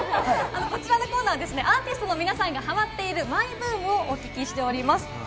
こちらのコーナーはアーティストの皆さんがはまっているマイブームをお聞きしております。